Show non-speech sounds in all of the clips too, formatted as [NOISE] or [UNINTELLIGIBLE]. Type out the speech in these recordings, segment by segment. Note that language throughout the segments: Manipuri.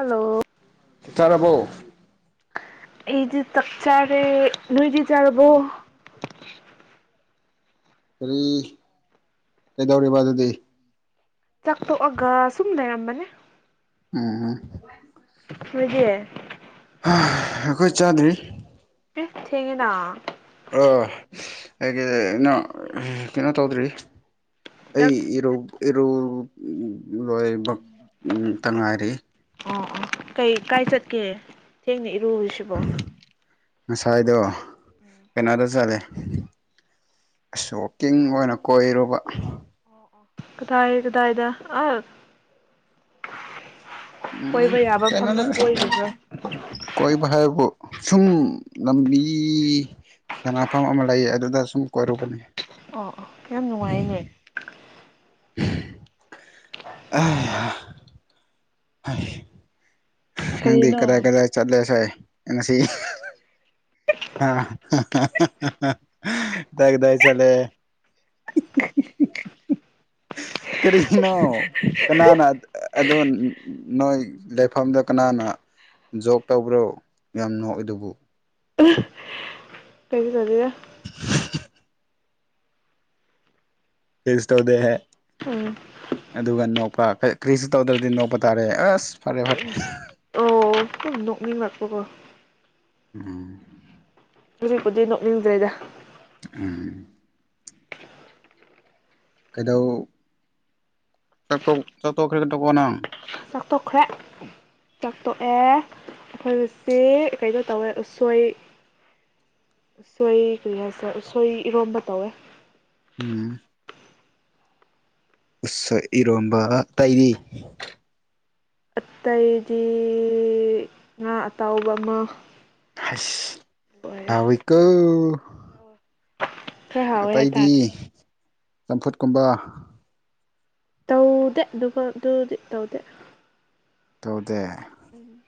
ꯍꯜꯂꯣ ꯆꯥꯔꯕꯣ ꯑꯩꯗꯤ ꯆꯥꯛ ꯆꯥꯔꯦ ꯅꯣꯏꯗꯤ ꯆꯥꯔꯕꯣ ꯀꯔꯤ ꯀꯩꯗꯧꯔꯤꯕ ꯑꯗꯨꯗꯤ ꯆꯥꯛꯇꯣꯛꯑꯒ ꯁꯨꯝ ꯂꯩꯔꯝꯕꯅꯤ ꯎꯪꯎꯪ ꯅꯣꯏꯗꯤ ꯑꯥꯑꯍꯥ ꯑꯩꯈꯣꯏ ꯆꯥꯗ꯭ꯔꯤ ꯑꯦ ꯊꯦꯡꯉꯦꯅ ꯑꯥ ꯑꯩꯒꯤ ꯑꯩꯅ ꯀꯩꯅꯣ ꯇꯧꯗ꯭ꯔꯤ ꯑꯩ ꯆꯥꯛ ꯏꯔꯨ ꯏꯔꯨ ꯂꯣꯏꯕꯛ ꯇꯥ ꯉꯥꯏꯔꯤ ꯑꯣ ꯑꯣ ꯀꯩ ꯀꯥꯏ ꯆꯠꯀꯦ ꯊꯦꯡꯅ ꯏꯔꯨꯔꯤꯁꯤ ꯕꯣ ꯉꯁꯥꯏꯗꯣ ꯀꯩꯅꯣꯗ ꯆꯔꯦ ꯑꯥꯁ ꯋꯥꯛꯀꯤꯡ ꯑꯣꯏꯅ ꯀꯣꯏꯔꯨꯕ ꯀꯗꯥꯏ ꯀꯗꯥꯏꯗ ꯑꯥ ꯀꯣꯏꯕ ꯌꯥꯕ ꯃꯐꯝꯗ UNINTELLIGIBLE ꯀꯣꯏꯔꯨꯕ꯭ꯔꯥ ꯀꯣꯏꯕ ꯍꯥꯏꯕꯨ ꯁꯨꯝ ꯂꯝꯕꯤꯏ ꯁꯥꯟꯅꯐꯝ ꯑꯃ ꯂꯩꯑꯦ ꯑꯗꯨꯗ ꯁꯨꯝ ꯀꯣꯏꯔꯨꯕꯅꯤ ꯑꯣ ꯑꯣ ꯈꯜ ꯌꯥꯝ ꯅꯨꯡꯉꯥꯏꯅꯦ INAUDIBLE INAUDIBLE ꯍꯩ ꯍꯥ ꯅꯪꯗꯤ ꯀꯔꯤꯅꯣ ꯀꯗꯥꯏ ꯀꯗꯥꯏ ꯆꯠꯂꯦ ꯁꯥꯏ ꯑꯦ ꯉꯥꯁꯤ UNINTELLIGIBLE INAUDIBLE ꯀꯔꯤꯒꯤꯅꯣ ꯀꯅꯥꯅ ꯑꯗꯣ ꯅꯣꯏ ꯂꯦꯞ ꯃꯐꯝꯗ ꯀꯅꯥꯅ ꯖꯣꯛ ꯇꯧꯕ꯭ꯔꯣ ꯌꯥꯝ ꯅꯣꯛꯏꯗꯨꯕꯨ ꯀꯩꯁꯨ ꯇꯧꯗꯦꯗ INAUDIBLE ꯀꯩꯁꯨ ꯇꯧꯗꯦꯍꯦ INAUDIBLE ꯑꯗꯨꯒ ꯅꯣꯛꯄ ꯀꯔꯤꯁꯨ ꯇꯧꯗ꯭ꯔꯗꯤ ꯅꯣꯛꯄ ꯇꯥꯔꯦ ꯑꯥꯁ ꯑꯣꯑꯣ ꯁꯨꯝ ꯅꯣꯛꯅꯤꯡꯉꯛꯄ ꯀꯣ ꯎꯝ ꯍꯧꯖꯤꯛꯄꯨꯗꯤ ꯅꯣꯛꯅꯤꯡꯗ꯭ꯔꯦꯗ ꯎꯝ ꯀꯩꯗꯧ UNINTELLIGIBLE ꯆꯥꯛ ꯇꯣꯛꯈ꯭ꯔꯦ ꯆꯥꯛ ꯇꯣꯛꯑꯦ ꯑꯩꯈꯣꯏ ꯍꯧꯖꯤꯛ ꯀꯩꯅꯣ ꯇꯧꯋꯦ ꯎꯁꯣꯏ ꯎꯁꯣꯏ ꯀꯔꯤ ꯍꯥꯏꯁꯤꯔ ꯎꯁꯣꯏ ꯏꯔꯣꯝꯕ ꯇꯧꯋꯦ ꯎꯝ ꯎꯁꯣꯏ ꯏꯔꯣꯝꯕ ꯑꯇꯩꯗꯤ ꯑꯠꯇꯩꯗꯤꯏ ꯉꯥ ꯑꯇꯥꯎꯕ ꯑꯃ ꯍꯩꯁ ꯂꯣꯏꯔꯦ ꯍꯥꯎꯋꯤꯀꯣꯑꯣ ꯈꯔ ꯍꯥꯎꯋꯦ ꯑꯇꯩꯗꯤ ꯍꯥꯏꯇꯥꯔꯦ ꯆꯝꯐꯨꯠꯀꯨꯝꯕ ꯇꯧꯎꯗꯦ ꯑꯗꯨꯒ ꯑꯗꯨꯗꯤ ꯇꯧꯗꯦ ꯇꯧꯗꯦ ꯎꯝ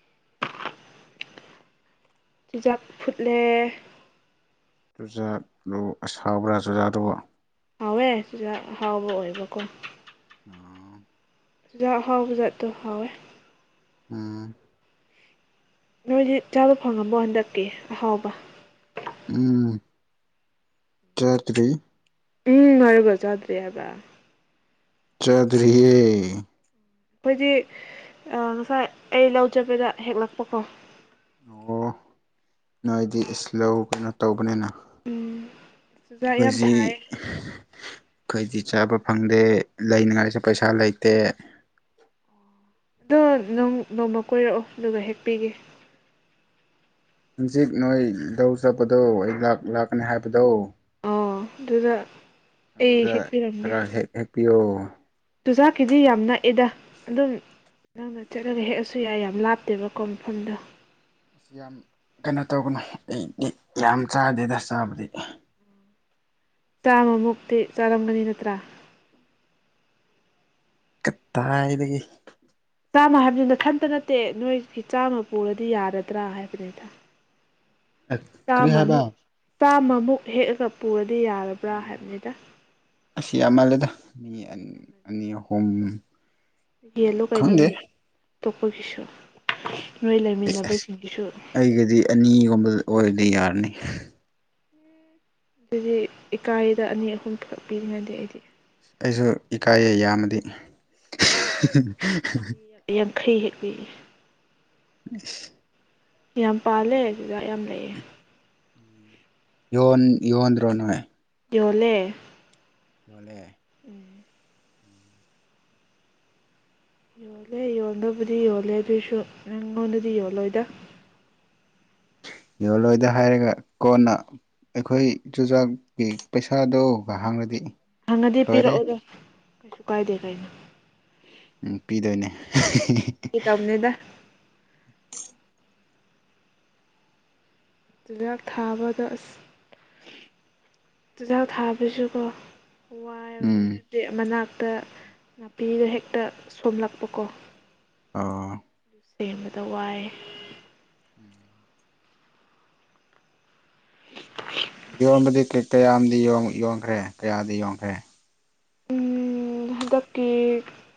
ꯆꯨꯖꯥꯛ ꯐꯨꯠꯂꯦ ꯆꯨꯖꯥꯛꯂꯣ ꯑꯁ ꯍꯥꯎꯕ꯭ꯔꯥ ꯆꯨꯖꯥꯛꯇꯨꯕꯨ ꯍꯥꯎꯋꯦ ꯆꯨꯖꯥꯛ ꯑꯍꯥꯎꯕ ꯑꯣꯏꯕꯀꯣ ꯑꯣ ꯆꯨꯖꯥꯛ ꯑꯍꯥꯎꯕꯖꯥꯠꯇꯣ ꯍꯥꯎꯋꯦ ꯎꯝ ꯅꯣꯏꯗꯤ ꯆꯥꯗ ꯐꯪꯉꯝꯃꯣ ꯍꯟꯗꯛꯀꯤ ꯑꯍꯥꯎꯕ ꯎꯝ ꯆꯥꯗꯔ꯭ꯤ ꯎꯝ ꯍꯔꯒ ꯆꯗ꯭ꯔꯤ ꯍꯥꯏꯕ ꯆꯥꯗ꯭ꯔꯤꯌꯦ ꯑꯩꯈꯣꯏꯗꯤ ꯉꯁꯥꯏ ꯑꯩ ꯂꯧ ꯆꯠꯄꯗ ꯍꯦꯛꯂꯛꯄꯀꯣ ꯑꯣ ꯅꯣꯏꯗꯤ ꯏꯁ ꯂꯧ ꯀꯩꯅꯣ ꯇꯧꯕꯅꯤꯅ ꯎꯝ ꯆꯨꯖꯥꯛ ꯌꯥꯝ ꯑꯩꯈꯣꯏꯁꯤ ꯊꯥꯏ ꯑꯩꯈꯣꯏꯗꯤ ꯆꯥꯕ ꯐꯪꯗꯦ ꯂꯩꯅꯉꯥꯏꯁꯨ ꯄꯩꯁꯥ ꯂꯩꯇꯦ ꯑꯗꯣ ꯅꯪ ꯅꯣꯡꯃ ꯀꯣꯏꯔꯛꯑꯣ ꯑꯗꯨꯒ ꯍꯦꯛ ꯄꯤꯒꯦ ꯍꯪꯖꯤꯛ ꯅꯣꯏ ꯂꯧ ꯆꯠꯄꯗꯣ ꯑꯩ ꯂꯥꯛ ꯂꯥꯛꯀꯅꯤ ꯍꯥꯏꯕꯗꯣ ꯑꯣ ꯑꯗꯨꯗ ꯑꯩ ꯍꯦꯛꯄꯤꯔꯝꯒꯦ ꯄꯤꯌꯣ ꯆꯨꯖꯥꯛꯀꯤꯗꯤ ꯌꯥꯝ ꯅꯛꯑꯦꯗ ꯑꯗꯨꯝ ꯅꯪꯅ ꯆꯠꯂꯒ ꯍꯦꯛꯑꯁꯨ ꯌꯥꯏ ꯌꯥꯝ ꯂꯥꯞꯇꯦꯕꯀꯣ ꯃꯐꯝꯗ ꯑꯁꯤ ꯌꯥꯝ ꯀꯩꯅꯣ ꯇꯧꯒꯅꯨ ꯑꯩꯗꯤ ꯌꯥꯝ ꯆꯥꯗꯦꯗ ꯆꯥꯕꯗꯤ ꯆꯥꯝꯃꯃꯨꯛꯇꯤ ꯆꯥꯔꯝꯒꯅꯤ ꯅꯠꯇ꯭ꯔꯥ ꯀꯠꯗꯥꯏꯗꯒꯤ ꯆꯥꯝꯃ ꯍꯥꯏꯕꯗꯨꯅ ꯅꯥꯊꯟꯇ ꯅꯠꯇꯦ ꯅꯣꯏꯒꯤ ꯆꯥꯝꯃ ꯄꯨꯔꯗꯤ ꯌꯥꯔꯗ꯭ꯔꯥ ꯍꯥꯏꯕꯅꯤꯇ [INAUDIBLE] ꯀꯔꯤ ꯍꯥꯏꯕ ꯆꯥꯃꯃꯨꯛ ꯆꯥꯃꯃꯨꯛ ꯍꯦꯛꯑꯒ ꯄꯨꯔꯗꯤ ꯌꯥꯔꯕ꯭ꯔꯥ ꯍꯥꯏꯕꯅꯤꯗ ꯑꯁꯤ ꯌꯥꯝꯃꯜꯂꯦꯗ ꯃꯤ ꯑꯅꯤ ꯑꯍꯨꯝ ꯎꯝ, ꯌꯦꯂꯣ ꯀꯥꯏꯅꯣ ꯈꯪꯗꯦ ꯃꯤ ꯑꯇꯣꯞꯄꯒꯤꯁꯨ ꯅꯣꯏ ꯑꯁ ꯑꯁ ꯂꯩꯃꯤꯟꯅꯕꯁꯤꯡꯒꯤꯁꯨ ꯑꯩꯒꯗꯤ ꯑꯅꯤꯒꯨꯝꯕ ꯑꯣꯏꯕꯗꯤ ꯌꯥꯔꯅꯤ ꯑꯗꯨꯗꯤ ꯏꯀꯥꯏꯗ ꯑꯅꯤ ꯑꯍꯨꯝ ꯈꯛꯄꯤꯔꯤꯅꯗꯦ ꯑꯩꯗꯤ ꯑꯩꯁꯨ ꯏꯀꯥꯏꯩ ꯌꯥꯝꯃꯗꯤ ꯑꯗꯨꯗꯤ ꯌꯥꯡꯈꯩ ꯍꯦꯛ ꯄꯤꯒꯦ ꯏꯁ ꯌꯥꯝ ꯄꯥꯜꯂꯦ ꯆꯨꯖꯥꯛ ꯌꯥꯝ ꯂꯩꯌꯦ ꯌꯣꯟ ꯌꯣꯟꯗ꯭ꯔꯣ ꯅꯣꯏ ꯌꫭꯜꯂꯦ ꯌꯣꯜꯂꯦ ꯎꯝ ꯌꯣꯜꯂꯦ ꯌꯣꯟꯕꯨꯗꯤ ꯌꯣꯜꯂꯦ ꯑꯗꯨꯏꯁꯨ ꯅꯪꯉꯣꯟꯗꯗꯤ ꯌꯣꯜꯂꯣꯏꯗ ꯌꯣꯜꯂꯣꯏꯗ ꯍꯥꯏꯔꯒ ꯀꯣꯟꯅ ꯑꯩꯈꯣꯏ ꯆꯨꯖꯥꯛꯀꯤ ꯄꯩꯁꯥꯗꯨꯒ ꯍꯥꯡꯉꯗꯤ ꯍꯪꯉꯗꯤ ꯂꯣꯏꯔꯦ ꯄꯤꯔꯛꯑꯣꯗ ꯀꯩꯁꯨ ꯀꯥꯏꯗꯦ ꯀꯩꯅꯣ ꯎꯝ ꯄꯤꯗꯣꯏꯅꯦ ꯐꯥꯒꯤ ꯇꯧꯅꯦꯗ ꯆꯨꯖꯥꯛ ꯊꯥꯕꯗ ꯑꯁ ꯆꯨꯖꯥꯛ ꯊꯥꯕꯁꯨꯀꯣ ꯋꯥꯏꯕꯅꯦ ꯎꯝ ꯑꯥꯗꯤ ꯃꯅꯥꯛꯇ ꯅꯥꯄꯤꯗꯣ ꯍꯦꯛꯇ ꯁꯣꯝꯂꯛꯄꯀꯣ ꯑꫭ ꯁꯦꯝꯕꯗ ꯋꯥꯏꯌꯦ ꯎꯝ [INAUDIBLE] ꯌꯣꯟꯕꯗꯤ ꯀꯩ ꯀꯌꯥꯝꯗꯤ ꯌꯣꯟꯈ꯭ꯔꯦ ꯀꯌꯥꯗꯤ ꯌꯣꯟꯈ꯭ꯔꯦ ꯍꯟꯗꯛꯇꯤ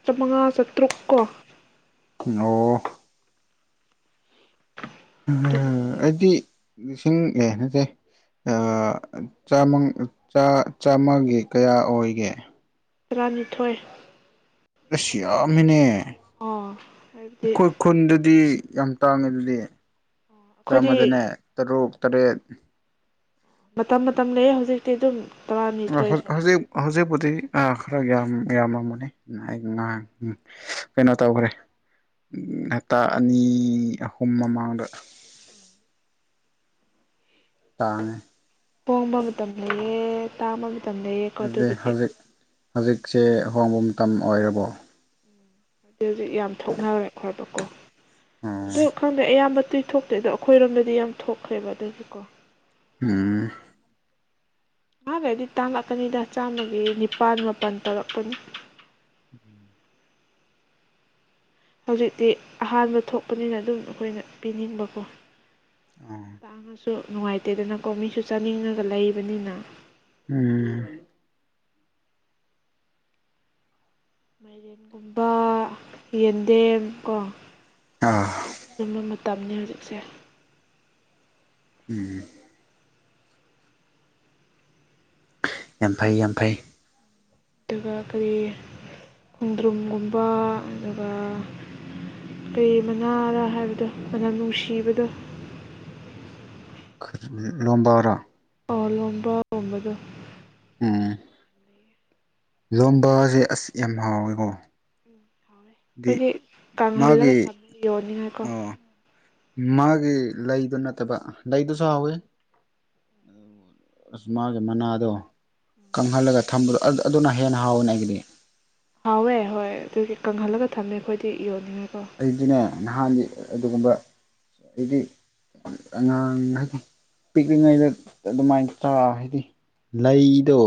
ꯆꯝꯃꯉꯥ ꯆꯥꯇ꯭ꯔꯨꯛ ꯀꯣ ꯑꯣ ꯑꯗꯨꯃꯨꯛꯇꯤ [UNINTELLIGIBLE] ꯑꯩꯗꯤ ꯂꯤꯁꯤꯡ ꯑꯦ ꯅꯠꯇꯦ ꯑꯥ ꯆꯥꯃꯪ ꯆꯥ ꯆꯥꯝꯃꯒꯤ ꯀꯌꯥ ꯑꯣꯏꯒꯦ ꯇꯔꯥꯅꯤꯊꯣꯏ ꯑꯁ ꯌꯥꯝꯃꯤꯅꯦ ꯑꯣ ꯍꯥꯏꯕꯗꯤ ꯄꯨꯟꯗꯗꯤ ꯌꯥꯝ ꯇꯥꯡꯉꯦ ꯑꯗꯨꯗꯤ ꯑꯩꯈꯣꯏꯗꯤ ꯆꯥꯝꯃꯗꯅꯦ ꯇꯔꯨꯛ ꯇꯔꯦꯠ ꯃꯇꯝ ꯃꯇꯝ ꯂꯩꯌꯩ ꯍꯧꯖꯤꯛꯇꯤ ꯑꯗꯨꯝ ꯑꯥ ꯇꯔꯥꯅꯤꯊꯣꯏ ꯁꯥꯏ ꯍꯧꯖꯤꯛ ꯍꯧꯖꯤꯛꯄꯨꯗꯤ ꯑꯥ ꯈꯔ ꯌꯥꯝ ꯌꯥꯝꯃꯝꯃꯅꯤ ꯎꯝ ꯑꯩ ꯉꯥꯡ ꯎꯝ ꯀꯩꯅꯣ ꯇꯧꯈ꯭ꯔꯦ ꯎꯝ ꯍꯞꯇꯥ ꯑꯅꯤ ꯑꯍꯨꯝ ꯃꯃꯥꯡꯗ ꯇꯥꯅꯦ ꯄꯣꯡꯕ ꯃꯇꯝ ꯂꯩꯌꯦ ꯇꯥꯡꯕ ꯃꯠ ꯑꯗꯨꯗꯤ ꯍꯧꯖꯤꯛ ꯍꯧꯖꯤꯛꯁꯦ ꯍꯣꯡꯕ ꯃꯇꯝ ꯑꯣꯏꯔꯕꯣ ꯎꯝ ꯍꯧꯖꯤꯛ ꯍꯧꯖꯤꯛ ꯌꯥꯝ ꯊꯣꯛꯅꯔꯦ ꯈꯣꯠꯄꯀꯣ ꯑꯣ ꯑꯗꯨ ꯈꯪꯗꯦ ꯑꯌꯥꯝꯕ ꯇꯨꯏ ꯊꯣꯛꯇꯦꯗꯣ ꯑꯩꯈꯣꯏꯔꯣꯝꯗꯗꯤ ꯌꯥꯝ ꯊꯣꯛꯈ꯭ꯔꯦꯕ ꯑꯗꯨꯒꯤ ꯀꯣ ꯎꯝ ꯈꯔ ꯂꯩꯔꯗꯤ ꯇꯥꯡꯂꯛꯀꯅꯤꯗ ꯆꯥꯝꯃꯒꯤ ꯅꯤꯄꯥꯜ ꯃꯥꯄꯜ ꯇꯧꯔꯛꯀꯅꯤ ꯎꯝ ꯍꯧꯖꯤꯛꯇꯤ ꯑꯍꯥꯟꯕ ꯊꯣꯛꯄꯅꯤꯅ ꯑꯗꯨꯝ ꯑꯩꯈꯣꯏꯅ ꯄꯤꯅꯤꯡꯕꯀꯣ ꯑꯣ ꯇꯥꯡꯉꯁꯨ ꯅꯨꯡꯉꯥꯏꯇꯦꯗꯅꯀꯣ ꯃꯤꯁꯨ ꯆꯥꯅꯤꯡꯉꯒ ꯂꯩꯕꯅꯤꯅ ꯎꯝ ꯃꯥꯏꯔꯦꯟꯒꯨꯝꯕ ꯌꯦꯟꯗꯦꯝ ꯀꯣ ꯑꯥ ꯑꯗꯨ [UNINTELLIGIBLE] ꯇꯝꯅꯦ ꯍꯧꯖꯤꯛꯁꯦ ꯎꯝ ꯌꯥꯝ ꯐꯩ ꯌꯥꯝ ꯐꯩ ꯑꯗꯨꯒ ꯀꯔꯤ ꯈꯣꯡꯗ꯭ꯔꯨꯝꯒꯨꯝꯕ ꯑꯗꯨꯒ ꯀꯩ ꯃꯅꯥꯔ ꯍꯥꯏꯕꯗꯣ ꯃꯅꯝ ꯅꯨꯡꯁꯤꯕꯗꯣ ꯈꯠ ꯂꯣꯝꯕꯥꯔꯣ ꯑꯣ ꯂꯣꯝꯕꯒꯨꯝꯕꯗꯣ ꯎꯝ ꯂꯣꯝꯕꯁꯦ ꯑꯁ ꯌꯥꯝ ꯍꯥꯎꯋꯤꯀꯣ ꯎꯝ ꯍꯥꯎꯋꯦ ꯑꯩꯈꯣꯏꯗꯤ ꯀꯪꯍꯜꯂꯒ ꯃꯥꯒꯤ ꯊꯝꯃꯦ ꯌꯣꯟꯅꯤꯡꯉꯥꯏꯀꯣ ꯑꯣ ꯃꯥꯒꯤ ꯂꯩꯗꯣ ꯅꯠꯇꯕ ꯂꯩꯗꯨꯁꯨ ꯍꯥꯎꯋꯦ ꯑꯁ ꯃꯥꯒꯤ ꯃꯅꯥꯗꯣ ꯀꯪꯍꯜꯂꯒ ꯊꯝꯕꯗꯣ ꯑꯗꯨ ꯑꯗꯨꯅ ꯍꯦꯟꯅ ꯍꯥꯎꯕꯅꯦ ꯑꯩꯒꯤꯗꯤ ꯍꯥꯎꯋꯦ ꯍꯣꯏ ꯑꯗꯨꯒꯤ ꯀꯪꯍꯜꯂꯒ ꯊꯝꯃꯦ ꯑꯩꯈꯣꯏꯗꯤ ꯌꯣꯟꯅꯤꯡꯉꯥꯏꯀꯣ ꯑꯩꯗꯤꯅꯦ ꯅꯍꯥꯟꯒꯤ ꯑꯗꯨꯒꯨꯝꯕ ꯍꯥꯏꯗꯤ ꯑꯉꯥꯡ [UNINTELLIGIBLE] ꯄꯤꯛꯂꯤꯉꯩꯗ ꯑꯗꯨꯃꯥꯏꯟ [UNINTELLIGIBLE] ꯍꯥꯏꯗꯤ ꯂꯩꯗꯣ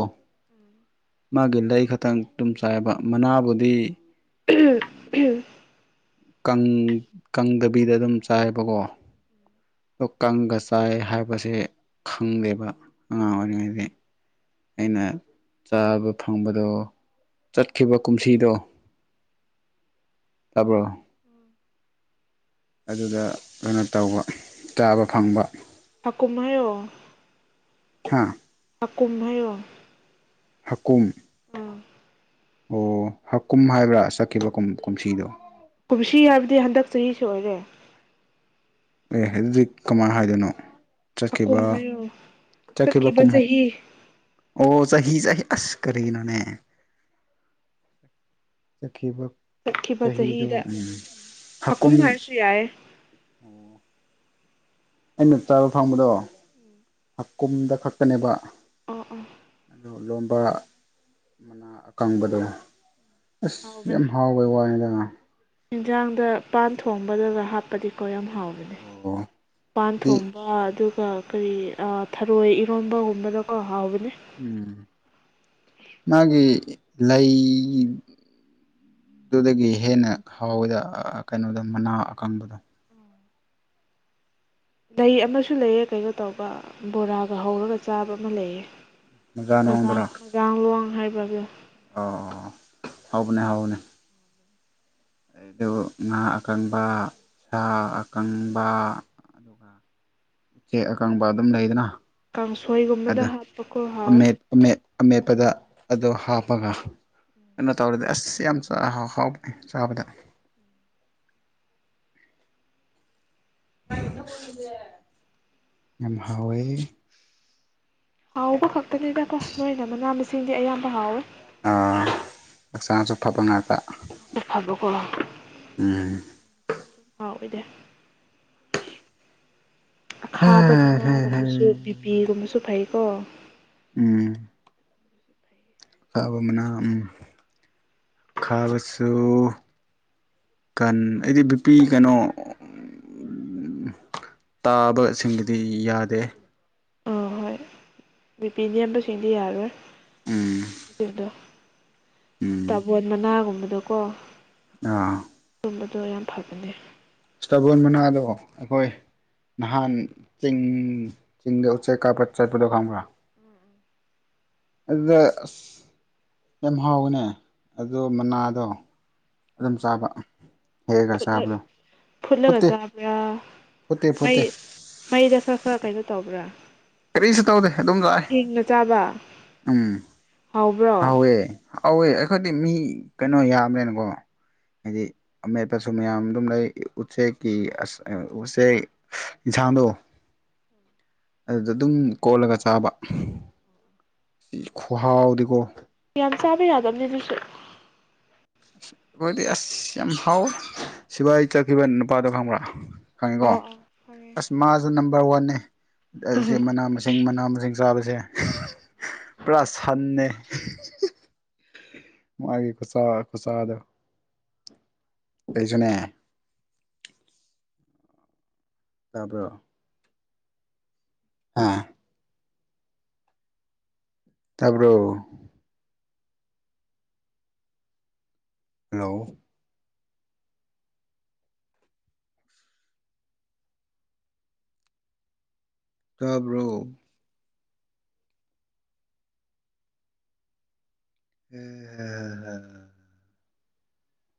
ꯃꯥꯒꯤ ꯂꯩ ꯈꯛꯇꯪ ꯇꯨꯝ ꯆꯥꯏꯕ ꯃꯅꯥꯕꯨꯗꯤ ꯀꯪ ꯀꯪꯗꯕꯤꯗ ꯑꯗꯨꯝ ꯆꯥꯏꯕꯀꯣ ꯑꯗꯣ ꯀꯪꯒ ꯆꯥꯏ ꯍꯥꯏꯕꯁꯦ ꯈꯪꯗꯦꯕ ꯑꯉꯥꯡ ꯑꯣꯏꯔꯤꯉꯩꯗꯤ ꯑꯩꯅ ꯆꯥꯕ ꯈꯪꯕꯗꯣ ꯆꯠꯈꯤꯕ ꯀꯨꯝꯁꯤꯗꯣ [INAUDIBLE] ꯇꯕ꯭ꯔꯣ ꯎꯝ ꯑꯗꯨꯗ ꯀꯩꯅꯣ ꯇꯧꯕ ꯆꯥꯕ ꯈꯪꯕ ꯍꯥꯀꯨꯝ ꯍꯥꯏꯌꯣ ꯍꯥ ꯍꯥꯀꯨꯝ ꯍꯥꯢꯌꯣ ꯍꯥꯀꯨꯝ ꯎꯝ ꯑꯣ ꯍꯥꯀꯨꯝ ꯍꯥꯏꯕ꯭ꯔꯥ ꯆꯠꯈꯤꯕ ꯀꯨꯝ ꯀꯨꯝꯁꯤꯗꯣ ꯀꯨꯝꯁꯤ ꯍꯥꯏꯕꯗꯤ ꯍꯟꯗꯛ ꯆꯍꯤꯁꯤ ꯑꯣꯏꯔꯦ ꯑꯦ ꯑꯗꯨꯗꯤ ꯀꯃꯥꯏ ꯍꯥꯏꯗꯣꯏꯅꯣ ꯆꯠꯈꯤꯕ ꯍꯥꯀꯨꯝ ꯍꯥꯏꯌꯣ ꯆꯠꯈꯤꯕ ꯀꯨꯝ ꯑꯣ ꯆꯍꯤ ꯆꯍꯤ ꯑꯁ ꯀꯔꯤꯅꯣꯅꯦ ꯆꯠꯈꯤꯕ ꯆꯠꯈꯤꯕ ꯆꯍꯤꯗꯣꯝ ꯎꯝ ꯍꯥꯀꯨꯝ ꯌꯥꯏ ꯑꯩꯅ ꯆꯥꯕ ꯐꯪꯕꯗꯣ ꯍꯀꯨꯝꯗ ꯈꯛꯇꯅꯦꯕ ꯑꯣ ꯑꯣ ꯑꯗꯨ ꯂꯣꯝꯕ ꯃꯅꯥ ꯑꯀꯪꯕꯗꯣ ꯑꯁ ꯌꯥꯝ ꯍꯥꯎꯕꯅꯦ ꯍꯥꯎꯕꯩ ꯋꯥꯅꯤꯗ ꯏꯟꯖꯥꯡꯗ ꯄꯥꯟ ꯊꯣꯡꯕꯗꯒ ꯍꯥꯞꯄꯗꯤ ꯀꯣ ꯌꯥꯝ ꯍꯥꯎꯕꯅꯦ ꯑꯣ ꯄꯥꯟ ꯑꯗꯨꯗꯤ ꯊꯣꯡꯕ ꯑꯗꯨꯒ ꯀꯔꯤ ꯑꯥ ꯊꯔꯣꯏ ꯏꯔꯣꯕꯒꯨꯝꯕꯗꯀꯣ ꯍꯥꯎꯕꯅꯦ ꯎꯝ ꯃꯥꯒꯤ ꯂꯩ ꯑꯗꯨꯗꯒꯤ ꯍꯦꯟꯅ ꯍꯥꯎꯋꯦꯗ ꯑꯥ ꯀꯩꯅꯣꯗ ꯃꯅꯥ ꯑꯀꯪꯕꯗꯣ ꯂꯩ ꯑꯃꯁꯨ ꯂꯩꯑꯦ ꯀꯩꯩꯅꯣ ꯇꯧꯕ ꯕꯣꯔꯥꯒ ꯍꯧꯔꯒ ꯆꯥꯕ ꯑꯃ ꯂꯩꯑꯦ ꯃꯖꯥ ꯃꯖꯥꯡ ꯅꯨꯡꯗꯨꯔꯣ ꯃꯗꯥꯥꯡ ꯂꯣꯡ ꯍꯥꯏꯕ꯭ꯔ [UNINTELLIGIBLE] ꯑꯣ ꯍꯥꯎꯕꯅꯦ ꯍꯥꯎꯕꯅꯦ ꯑꯗꯨ ꯉꯥ ꯑꯀꯪꯕ ꯁꯥ ꯑꯀꯪꯕ ꯆꯦ ꯑꯀꯪꯕ ꯑꯗꯨꯝ ꯂꯩꯗꯅ ꯀꯥꯡꯁꯣꯏꯒꯨꯝꯕꯗ ꯑꯗꯨ ꯍꯥꯞꯄꯀꯣ ꯍꯥꯎꯋꯦ ꯑꯃꯦꯠ ꯑꯃꯦꯠ ꯑꯃꯦꯠꯄꯗ ꯑꯗꯨ ꯍꯥꯞꯄꯒ ꯀꯩꯅꯣ ꯇꯧꯔꯗꯤ ꯑꯁ ꯌꯥꯝ ꯆꯥ ꯍꯥꯎꯇꯦ ꯆꯥꯕꯗ [UNINTELLIGIBLE] ꯌꯥꯝ ꯍꯥꯎꯋꯦ ꯍꯥꯎꯕ ꯈꯛꯇꯅꯤꯗꯀꯣ ꯅꯣꯏꯅ ꯃꯅꯥ ꯃꯁꯤꯡꯗꯤ ꯑꯌꯥꯝꯕ ꯍꯥꯎꯋꯦ ꯐꯥ ꯍꯛꯆꯥꯡꯁꯨ ꯐꯕ ꯉꯥꯛꯇ [UNINTELLIGIBLE] ꯐꯕꯀꯣ ꯎꯝ ꯗꯤ ꯑꯗꯨꯝ [UNINTELLIGIBLE] ꯑꯣꯏꯗꯦ ꯍꯦ ꯑꯈꯥꯕ ꯍꯦ ꯍꯦ ꯃꯅꯥꯒꯨꯝꯕꯁꯨ ꯕꯤꯄꯤꯒꯨꯝꯕꯁꯨ ꯐꯩ ꯎꯝ ꯐꯩ ꯑꯧ ꯅꯥꯝ ꯈꯥꯕꯁꯨ ꯀꯟ ꯑꯩꯗꯤ ꯕꯤꯄꯤ ꯀꯩꯅꯣ ꯇꯥꯕꯁꯤꯡꯒꯤꯗꯤ ꯌꯥꯗꯦ ꯕꯤꯄꯤ ꯅꯦꯝꯕꯁꯤꯡꯗꯤ ꯌꯥꯔꯣꯏ ꯎꯝ ꯗꯨꯗꫭ ꯎꯝ ꯇꯥꯕꯣꯟ ꯉꯥꯒꯨꯝꯕꯗꯀꯣ ꯑꯥ ꯗꯨꯝꯕꯗꯣ ꯌꯥꯝ ꯐꯕꯅꯦ ꯏꯁꯇꯥꯕꯣꯟ ꯃꯅꯥꯗꯣ ꯑꯩꯈꯣꯏ ꯅꯍꯥꯟ ꯆꯤꯡ ꯆꯤꯡꯗ ꯎꯆꯦꯛ ꯀꯥꯞꯄ ꯆꯠꯄꯗꯣ ꯈꯪꯕ꯭ꯔꯥ ꯑꯗꯨꯗ ꯑꯁ ꯌꯥꯝ ꯍꯥꯎꯋꯅꯦ ꯑꯗꯣ ꯃꯅꯥꯗꯣ ꯑꯗꯨꯝ ꯆꯥꯕ ꯍꯦꯛꯑꯒ ꯐꯨꯠꯂ ꯆꯥꯕꯗꯣ ꯐꯨꯠꯂꯒ ꯐꯨꯠꯇꯦ ꯆꯥꯕ꯭ꯔꯥ ꯐꯨꯠꯇꯦ ꯃꯩ ꯐꯨꯠꯇꯦ ꯃꯩꯗ ꯈꯔ ꯈꯔ ꯀꯩꯅꯣ ꯇꯧꯕ꯭ꯔꯥ ꯀꯔꯤꯁꯨ ꯇꯧꯗꯦ ꯑꯗꯨꯝ ꯂꯥꯛꯑꯦ ꯍꯤꯡꯅ ꯆꯥꯕ ꯎꯝ ꯍꯥꯎꯕ꯭ꯔꯣ ꯍꯥꯎꯋꯦ ꯍꯧꯋꯦ ꯑꯩꯈꯣꯏꯗꯤ ꯃꯤ ꯀꯩꯅꯣ ꯌꯥꯝꯃꯦꯕꯀꯣ ꯍꯥꯏꯗꯤ ꯑꯃꯦꯠꯄꯁꯨ ꯃꯌꯥꯝ ꯑꯗꯨꯝ ꯂꯩ ꯎꯆꯦꯛꯀꯤ ꯑꯖ ꯎꯆꯦꯛ ꯌꯦꯟꯁꯥꯡꯗꯣ ꯑꯗꯨꯗ ꯑꯗꯨꯝ ꯀꯣꯠꯂꯒ ꯆꯥꯕ ꯈꯨꯍꯥꯎꯗꯤꯀꯣ ꯌꯥꯝ ꯆꯥꯕ ꯌꯥꯗꯕꯅꯦ ꯑꯗꯨꯁꯨ ꯃꫭꯏꯗꯤ ꯑꯁ ꯌꯥꯝ ꯍꯥꯎꯋꯦ ꯁꯤꯕꯥꯏ ꯆꯠꯈꯤꯕ ꯅꯨꯄꯥꯗ ꯐꯪꯕ꯭ꯔ ꯈꯪꯉꯤꯀꯣ ꯑꯥꯎ ꯑꯥꯎ ꯈꯪꯉꯦ ꯑꯁ ꯃꯥꯁꯨ ꯅꯝꯕꯔ ꯋꯥꯟꯅꯦ ꯑꯁꯤ ꯃꯅꯥ ꯃꯁꯤꯡ ꯏꯤꯡ ꯃꯅꯥ ꯃꯁꯤꯡ ꯆꯥꯕꯁꯦ ꯄꯨꯔꯥ ꯁꯟꯅꯦ ꯃꯥꯒꯤ ꯈꯨꯆꯥ ꯈꯨꯆꯥꯗꯣ꯫ ꯗꯨꯏꯁꯨꯅꯦ꯫ ꯇꯥꯕ꯭ꯔꯣ? ꯑꯥ꯫ ꯇꯥꯕ꯭ꯔꯣ? ꯍꯜꯂꯣ? ꯇꯥꯕ꯭ꯔꯣ? ꯎꯝ